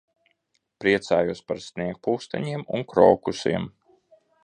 Priecājos par sniegpulksteņiem un krokusiem.